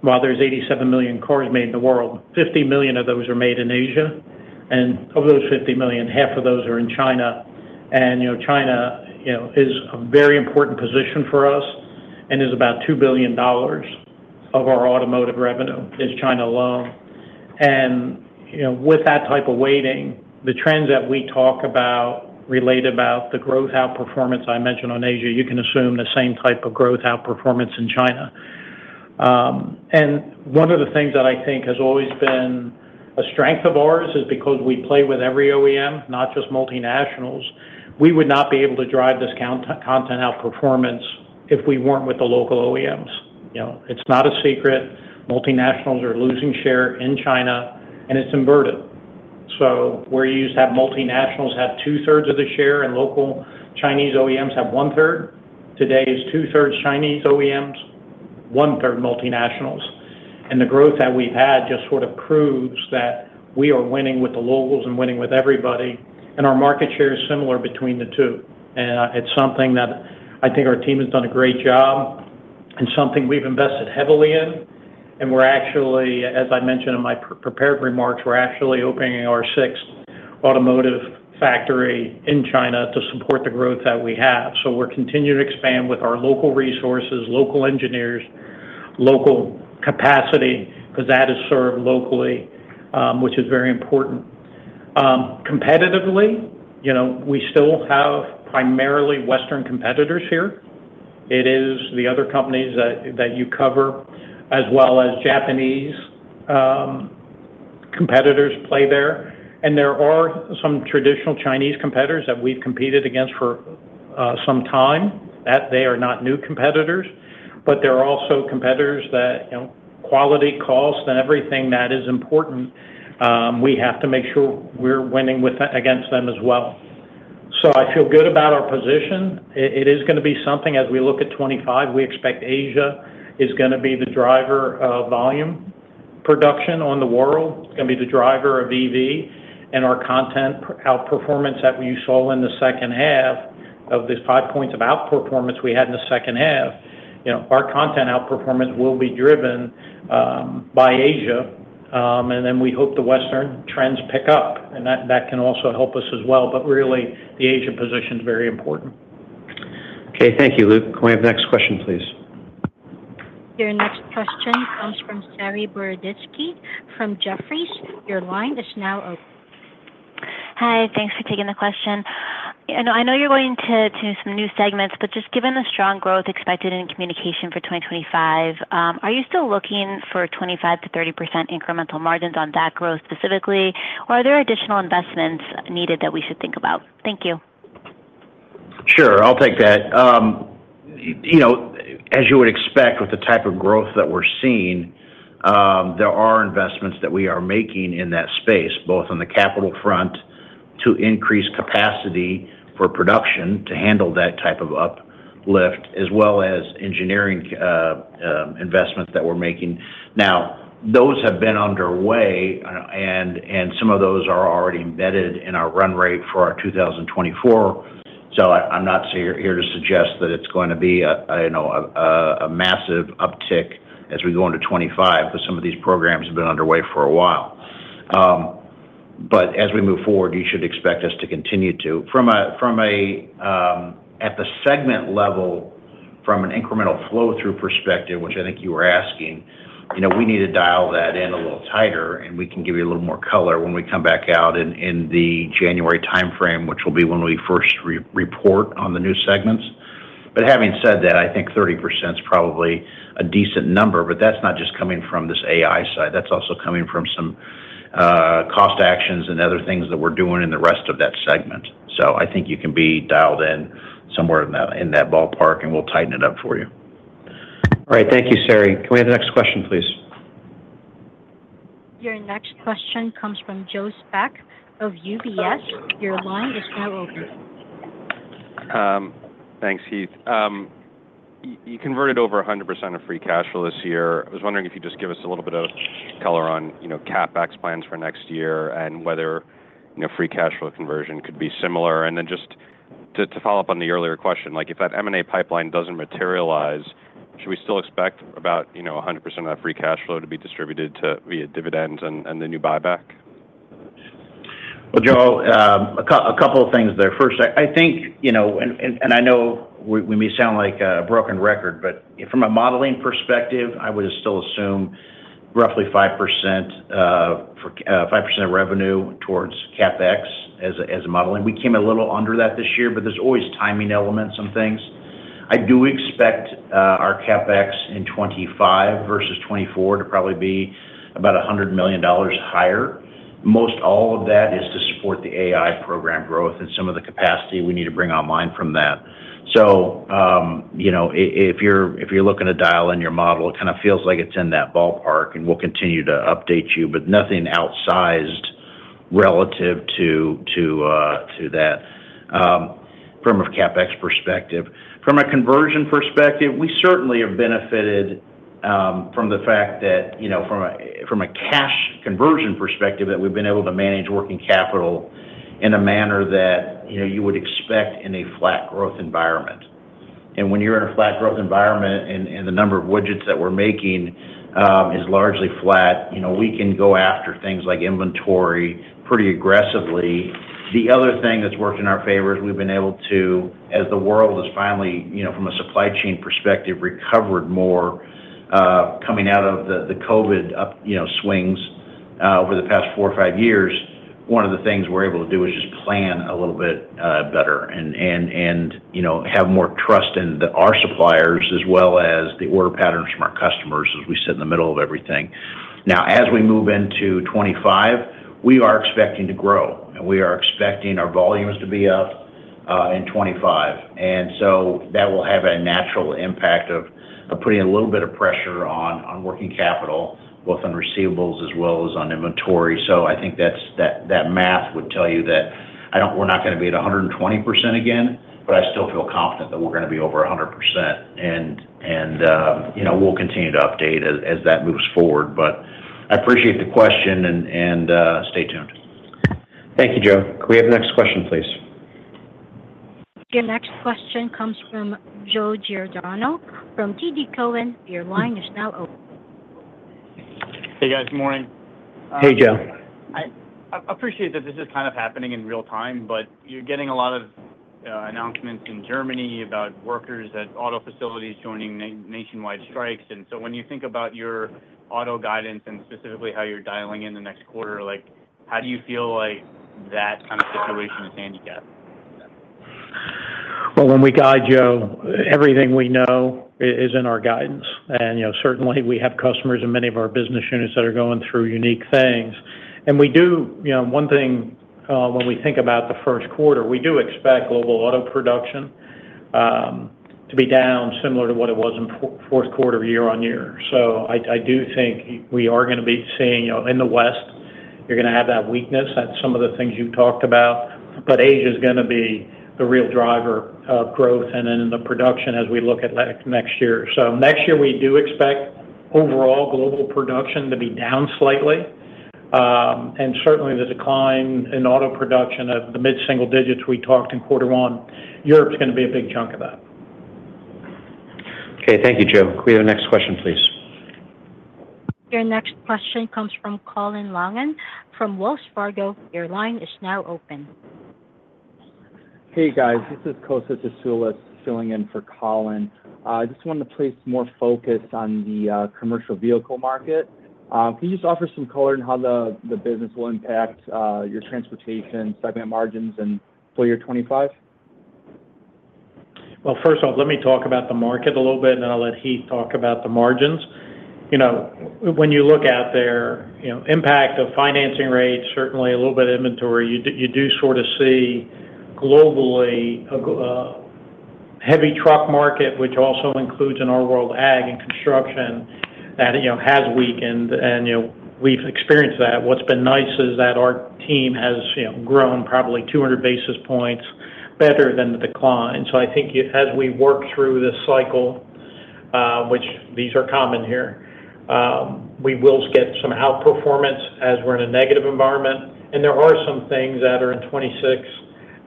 [SPEAKER 3] while there's 87 million cars made in the world, 50 million of those are made in Asia. Of those 50 million, 25 million of those are in China. China is a very important position for us and is about $2 billion of our automotive revenue is China alone. With that type of weighting, the trends that we talk about relate about the growth outperformance I mentioned on Asia. You can assume the same type of growth outperformance in China. One of the things that I think has always been a strength of ours is because we play with every OEM, not just multinationals. We would not be able to drive this content outperformance if we weren't with the local OEMs. It's not a secret. Multinationals are losing share in China, and it's inverted, so where you used to have multinationals have 2/3 of the share and local Chinese OEMs have 1/3, today is 2/3 Chinese OEMs, 1/3 multinationals, and the growth that we've had just sort of proves that we are winning with the locals and winning with everybody, and our market share is similar between the two, and it's something that I think our team has done a great job and something we've invested heavily in, and we're actually, as I mentioned in my prepared remarks, we're actually opening our sixth automotive factory in China to support the growth that we have, so we're continuing to expand with our local resources, local engineers, local capacity, because that is served locally, which is very important. Competitively, we still have primarily Western competitors here. It is the other companies that you cover, as well as Japanese competitors that play there, and there are some traditional Chinese competitors that we've competed against for some time. They are not new competitors, but there are also competitors on quality, cost, and everything that is important. We have to make sure we're winning against them as well, so I feel good about our position. It is going to be something as we look at 2025. We expect Asia is going to be the driver of volume production in the world. It's going to be the driver of EV and our content outperformance that you saw in the second half of the five points of outperformance we had in the second half. Our content outperformance will be driven by Asia, and then we hope the Western trends pick up, and that can also help us as well. But really, the Asia position is very important.
[SPEAKER 2] Okay, thank you, Luke. Can we have the next question, please?
[SPEAKER 1] Your next question comes from Saree Boroditsky from Jefferies. Your line is now open.
[SPEAKER 12] Hi. Thanks for taking the question. I know you're going to some new segments, but just given the strong growth expected in communication for 2025, are you still looking for 25%-30% incremental margins on that growth specifiscally, or are there additional investments needed that we should think about? Thank you.
[SPEAKER 4] Sure. I'll take that. As you would expect with the type of growth that we're seeing, there are investments that we are making in that space, both on the capital front to increase capacity for production to handle that type of uplift, as well as engineering investments that we're making. Now, those have been underway, and some of those are already embedded in our run rate for our 2024. So I'm not here to suggest that it's going to be a massive uptick as we go into 2025, because some of these programs have been underway for a while. But as we move forward, you should expect us to continue to. From a segment level, from an incremental flow-through perspective, which I think you were asking, we need to dial that in a little tighter, and we can give you a little more color when we come back out in the January timeframe, which will be when we first report on the new segments. But having said that, I think 30% is probably a decent number, but that's not just coming from this AI side. That's also coming from some cost actions and other things that we're doing in the rest of that segment. So I think you can be dialed in somewhere in that ballpark, and we'll tighten it up for you.
[SPEAKER 2] All right. Thank you, Saree. Can we have the next question, please?
[SPEAKER 1] Your next question comes from Joe Spak of UBS. Your line is now open.
[SPEAKER 13] Thanks, Heath. You converted over 100% of free cash flow this year. I was wondering if you'd just give us a little bit of color on CapEx plans for next year and whether free cash flow conversion could be similar. And then just to follow up on the earlier question, if that M&A pipeline doesn't materialize, should we still expect about 100% of that free cash flow to be distributed via dividends and the new buyback?
[SPEAKER 4] Well, Joe, a couple of things there. First, I think, and I know we may sound like a broken record, but from a modeling perspective, I would still assume roughly 5% of revenue towards CapEx as a modeling. We came a little under that this year, but there's always timing elements and things. I do expect our CapEx in 2025 versus 2024 to probably be about $100 million higher. Most all of that is to support the AI program growth and some of the capacity we need to bring online from that. So if you're looking to dial in your model, it kind of feels like it's in that ballpark, and we'll continue to update you, but nothing outsized relative to that from a CapEx perspective. From a conversion perspective, we certainly have benefited from the fact that from a cash conversion perspective, that we've been able to manage working capital in a manner that you would expect in a flat growth environment, and when you're in a flat growth environment and the number of widgets that we're making is largely flat, we can go after things like inventory pretty aggressively. The other thing that's worked in our favor is we've been able to, as the world has finally, from a supply chain perspective, recovered more coming out of the COVID swings over the past four or five years. One of the things we're able to do is just plan a little bit better and have more trust in our suppliers as well as the order patterns from our customers as we sit in the middle of everything. Now, as we move into 2025, we are expecting to grow, and we are expecting our volumes to be up in 2025. And so that will have a natural impact of putting a little bit of pressure on working capital, both on receivables as well as on inventory. So I think that math would tell you that we're not going to be at 120% again, but I still feel confident that we're going to be over 100%. And we'll continue to update as that moves forward. But I appreciate the question and stay tuned.
[SPEAKER 2] Thank you, Joe. Can we have the next question, please?
[SPEAKER 1] Your next question comes from Joe Giordano from TD Cowen. Your line is now open.
[SPEAKER 14] Hey, guys. Good morning.
[SPEAKER 3] Hey, Joe.
[SPEAKER 14] I appreciate that this is kind of happening in real time, but you're getting a lot of announcements in Germany about workers at auto facilities joining nationwide strikes. And so when you think about your auto guidance and specifiscally how you're dialing in the next quarter, how do you feel like that kind of situation is handicapped?
[SPEAKER 3] Well, when we guide, Joe, everything we know is in our guidance. And certainly, we have customers in many of our business units that are going through unique things. And one thing when we think about the first quarter, we do expect global auto production to be down similar to what it was in fourth quarter year on year. So I do think we are going to be seeing in the West, you're going to have that weakness at some of the things you talked about. But Asia is going to be the real driver of growth and in the production as we look at next year. So next year, we do expect overall global production to be down slightly. And certainly, the decline in auto production of the mid-single digits we talked in quarter one, Europe's going to be a big chunk of that.
[SPEAKER 2] Okay. Thank you, Joe. Can we have the next question, please?
[SPEAKER 1] Your next question comes from Colin Langan from Wells Fargo. The line is now open.
[SPEAKER 15] Hey, guys. This is Kosta Tasoulis filling in for Colin. I just wanted to place more focus on the commercial vehicle market. Can you just offer some color in how the business will impact Transportation segment margins for 2025?
[SPEAKER 3] Well, first off, let me talk about the market a little bit, and then I'll let Heath talk about the margins. When you look at their impact of financing rates, certainly a little bit of inventory, you do sort of see globally a heavy truck market, which also includes in our world ag and construction that has weakened, and we've experienced that. What's been nice is that our team has grown probably 200 basis points better than the decline, so I think as we work through this cycle, which these are common here, we will get some outperformance as we're in a negative environment, and there are some things that are in 2026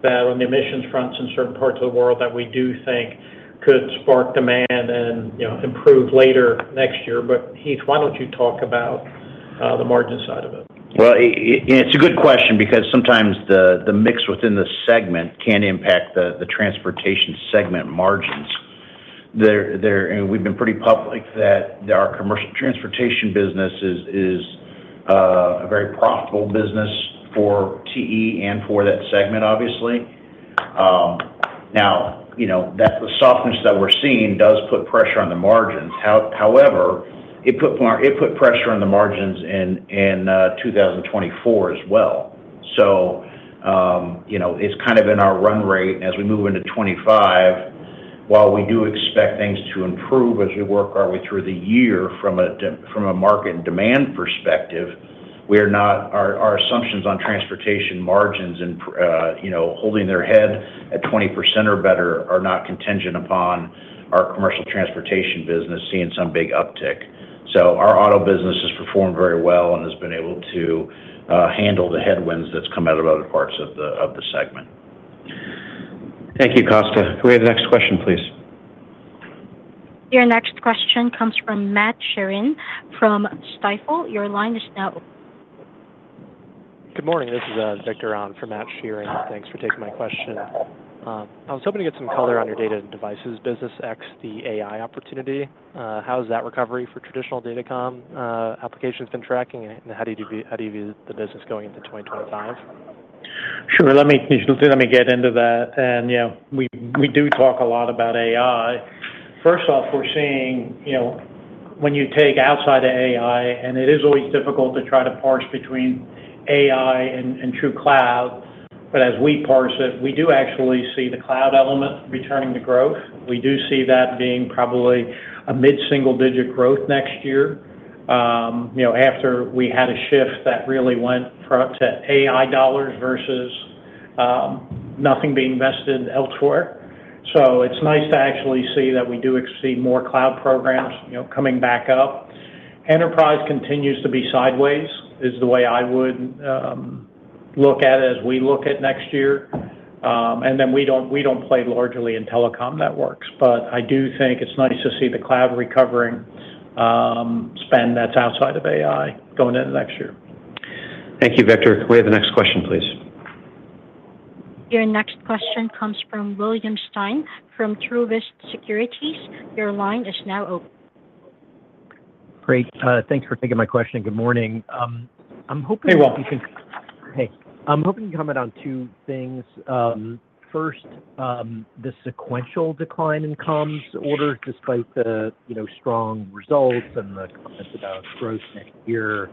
[SPEAKER 3] that on the emissions fronts in certain parts of the world that we do think could spark demand and improve later next year, but Heath, why don't you talk about the margin side of it.
[SPEAKER 4] Well, it's a good question because sometimes the mix within the segment can impact Transportation segment margins. We've been pretty public that our Commercial Transportation business is a very profitable business for TE and for that segment, obviously. Now, that's the softness that we're seeing does put pressure on the margins. However, it put pressure on the margins in 2024 as well. So it's kind of in our run rate as we move into 2025. While we do expect things to improve as we work our way through the year from a market and demand perspective, our assumptions on transportation margins and holding in at 20% or better are not contingent upon our Commercial Transportation business seeing some big uptick. So our auto business has performed very well and has been able to handle the headwinds that's come out of other parts of the segment.
[SPEAKER 2] Thank you, Kosta. Can we have the next question, please?
[SPEAKER 1] Your next question comes from Matt Sheerin from Stifel. Your line is now open. Good morning. This is Victor on for Matt Sheerin. Thanks for taking my question. I was hoping to get some color on your data and devices business, ex the AI opportunity. How has that recovery for traditional datacom applications been tracking, and how do you view the business going into 2025?
[SPEAKER 3] Sure. Let me get into that. And we do talk a lot about AI. First off, we're seeing when you take outside of AI, and it is always difficult to try to parse between AI and true cloud. But as we parse it, we do actually see the cloud element returning to growth. We do see that being probably a mid-single-digit growth next year after we had a shift that really went to AI dollars versus nothing being invested elsewhere. So it's nice to actually see that we do see more cloud programs coming back up. Enterprise continues to be sideways is the way I would look at it as we look at next year. And then we don't play largely in telecom networks. But I do think it's nice to see the cloud recovering spend that's outside of AI going into next year.
[SPEAKER 2] Thank you, Victor. Can we have the next question, please?
[SPEAKER 1] Your next question comes from William Stein from Truist Securities. Your line is now open.
[SPEAKER 16] Great. Thanks for taking my question. Good morning. I'm hoping you can comment on two things. First, the sequential decline in comms orders despite the strong results and the comments about growth next year.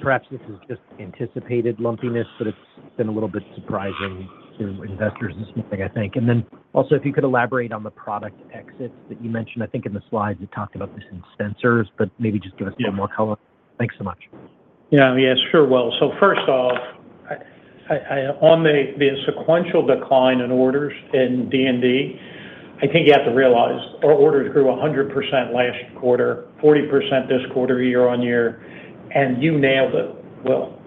[SPEAKER 16] Perhaps this is just anticipated lumpiness, but it's been a little bit surprising to investors this morning, I think. And then also, if you could elaborate on the product exits that you mentioned. I think in the slides, it talked about this in sensors, but maybe just give us a bit more color. Thanks so much.
[SPEAKER 3] Yeah. Yeah. Sure. Well, so first off, on the sequential decline in orders in D&D, I think you have to realize our orders grew 100% last quarter, 40% this quarter year-on-year, and you nailed it. Well,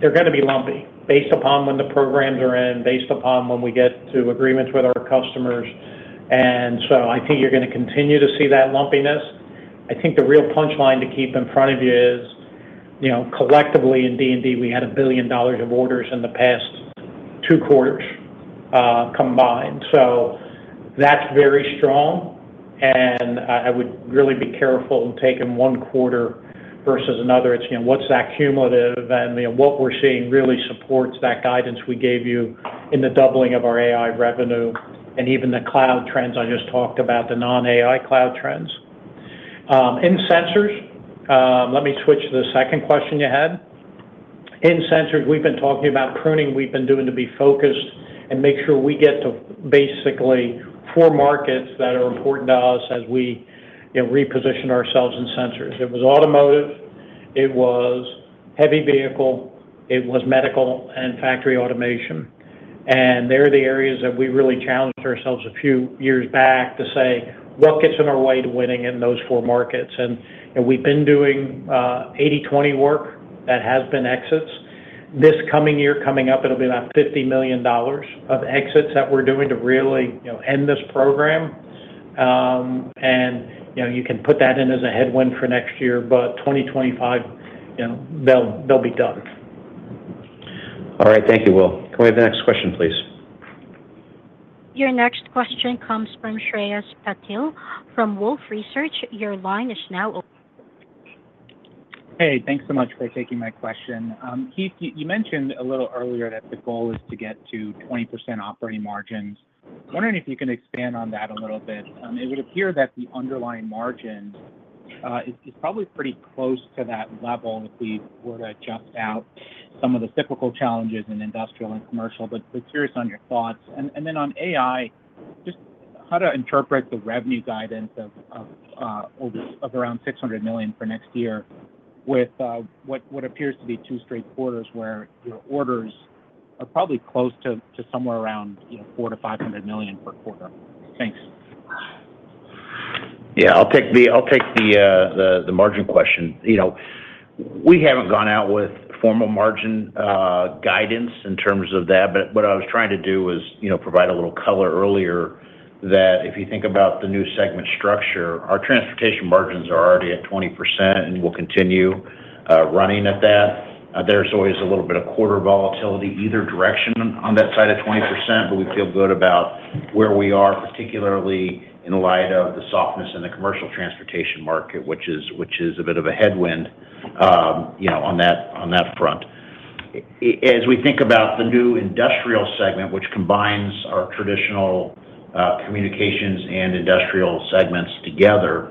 [SPEAKER 3] they're going to be lumpy based upon when the programs are in, based upon when we get to agreements with our customers. And so I think you're going to continue to see that lumpiness. I think the real punchline to keep in front of you is collectively in D&D, we had $1 billion of orders in the past two quarters combined. So that's very strong. And I would really be careful in taking one quarter versus another. It's what's that cumulative? And what we're seeing really supports that guidance we gave you in the doubling of our AI revenue and even the cloud trends I just talked about, the non-AI cloud trends. In Sensors, let me switch to the second question you had. In Sensors, we've been talking about pruning we've been doing to be focused and make sure we get to basically four markets that are important to us as we reposition ourselves in Sensors. It was Automotive. It was heavy vehicle. It was Medical and factory automation. And they're the areas that we really challenged ourselves a few years back to say, "What gets in our way to winning in those four markets?" And we've been doing 80/20 work that has been exits. This coming year, coming up, it'll be about $50 million of exits that we're doing to really end this program, and you can put that in as a headwind for next year, but 2025, they'll be done.
[SPEAKER 2] All right. Thank you, Will. Can we have the next question, please?
[SPEAKER 1] Your next question comes from Shreyas Patil from Wolfe Research. Your line is now open.
[SPEAKER 17] Hey, thanks so much for taking my question. Heath, you mentioned a little earlier that the goal is to get to 20% operating margins. I'm wondering if you can expand on that a little bit. It would appear that the underlying margin is probably pretty close to that level if we were to adjust out some of the cyclical challenges in industrial and commercial. But curious on your thoughts. And then on AI, just how to interpret the revenue guidance of around $600 million for next year with what appears to be two straight quarters where your orders are probably close to somewhere around $400 million-$500 million per quarter. Thanks.
[SPEAKER 4] Yeah. I'll take the margin question. We haven't gone out with formal margin guidance in terms of that. But what I was trying to do was provide a little color earlier that if you think about the new segment structure, our transportation margins are already at 20% and will continue running at that. There's always a little bit of quarter volatility either direction on that side of 20%, but we feel good about where we are, particularly in light of the softness in the commercial transportation market, which is a bit of a headwind on that front. As we think about the new industrial segment, which combines our traditional communications and industrial segments together,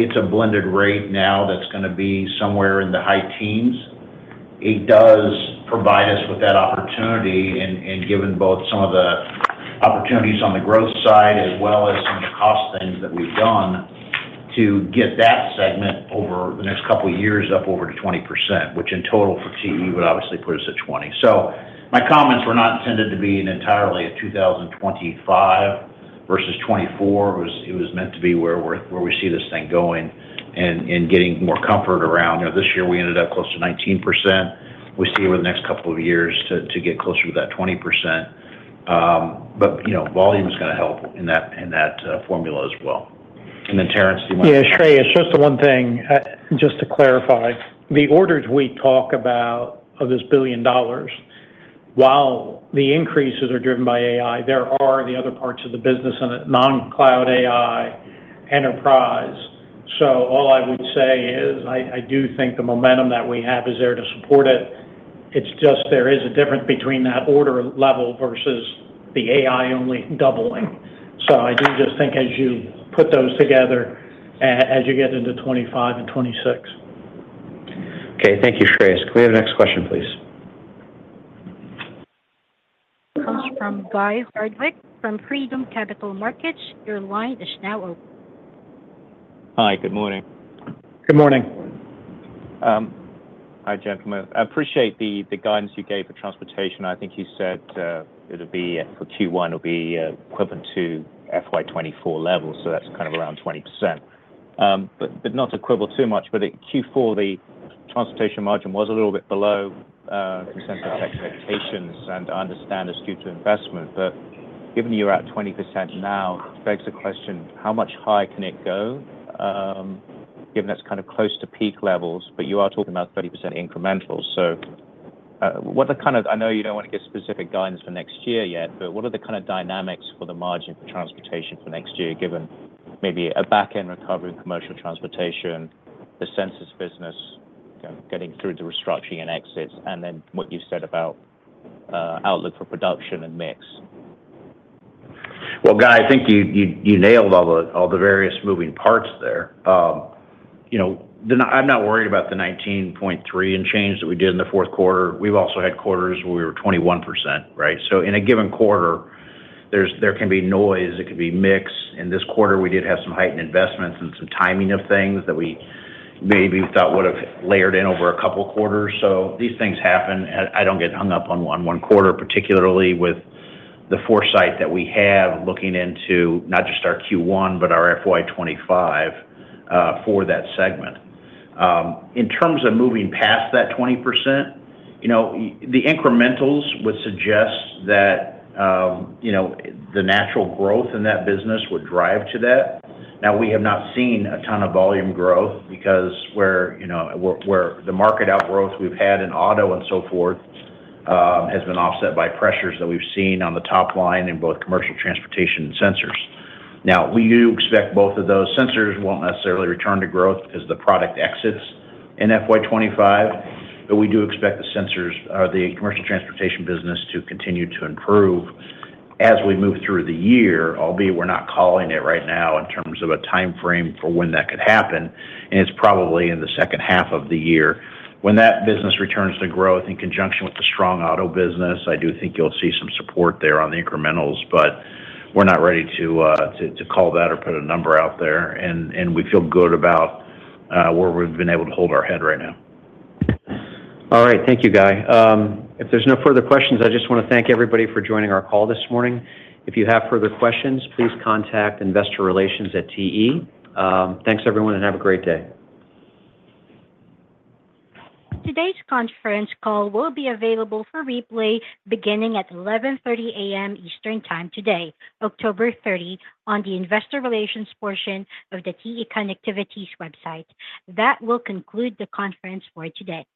[SPEAKER 4] it's a blended rate now that's going to be somewhere in the high teens. It does provide us with that opportunity and given both some of the opportunities on the growth side as well as some of the cost things that we've done to get that segment over the next couple of years up over to 20%, which in total for TE would obviously put us at 20. So my comments were not intended to be entirely at 2025 versus 2024. It was meant to be where we see this thing going and getting more comfort around. This year, we ended up close to 19%. We see over the next couple of years to get closer to that 20%. But volume is going to help in that formula as well. And then, Terrence, do you want to?
[SPEAKER 3] Yeah, Shreyas, just the one thing, just to clarify. The orders we talk about of this $1 billion, while the increases are driven by AI, there are the other parts of the business in it: non-cloud AI, enterprise. So all I would say is I do think the momentum that we have is there to support it. It's just there is a difference between that order level versus the AI only doubling. So I do just think as you put those together as you get into 2025 and 2026.
[SPEAKER 2] Okay. Thank you, Shreyas. Can we have the next question, please?
[SPEAKER 1] It comes from Guy Hardwick from Freedom Capital Markets. Your line is now open.
[SPEAKER 18] Hi. Good morning. Good morning. Hi, gentlemen. I appreciate the guidance you gave for transportation. I think you said it'll be for Q1, it'll be equivalent to FY 2024 levels. That's kind of around 20%. But not to quibble too much. But at Q4, the transportation margin was a little bit below consensus expectations. And I understand it's due to investment. But given you're at 20% now, it begs the question, how much higher can it go given that's kind of close to peak levels? But you are talking about 30% incremental. So what are the kind of—I know you don't want to give specific guidance for next year yet, but what are the kind of dynamics for the margin for transportation for next year given maybe a back-end recovery in commercial transportation, the sensors business getting through the restructuring and exits, and then what you've said about outlook for production and mix?
[SPEAKER 4] Well, Guy, I think you nailed all the various moving parts there. I'm not worried about the 19.3% and change that we did in the fourth quarter. We've also had quarters where we were 21%, right? So in a given quarter, there can be noise. It could be mix. In this quarter, we did have some heightened investments and some timing of things that we maybe thought would have layered in over a couple of quarters. So these things happen. I don't get hung up on one quarter, particularly with the foresight that we have looking into not just our Q1, but our FY 2025 for that segment. In terms of moving past that 20%, the incrementals would suggest that the natural growth in that business would drive to that. Now, we have not seen a ton of volume growth because where the market outgrowth we've had in auto and so forth has been offset by pressures that we've seen on the top line in both Commercial Transportation and Sensors. Now, we do expect both of those. Sensors won't necessarily return to growth because the product exits in FY 2025, but we do expect the Sensors or the Commercial Transportation business to continue to improve as we move through the year, albeit we're not calling it right now in terms of a timeframe for when that could happen, and it's probably in the second half of the year when that business returns to growth in conjunction with the strong auto business. I do think you'll see some support there on the incrementals, but we're not ready to call that or put a number out there. And we feel good about where we've been able to hold our head right now.
[SPEAKER 2] All right. Thank you, Guy. If there's no further questions, I just want to thank everybody for joining our call this morning. If you have further questions, please contact investorrelations@te. Thanks, everyone, and have a great day.
[SPEAKER 1] Today's conference call will be available for replay beginning at 11:30 A.M. Eastern Time today, October 30, on the investor relations portion of the TE Connectivity's website. That will conclude the conference for today.